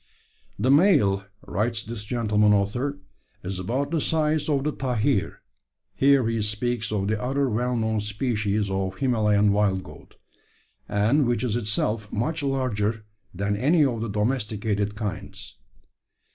"`The male,' writes this gentleman author, `is about the size of the tahir [here he speaks of the other well known species of Himalayan wild goat, and which is itself much larger than any of the domesticated kinds].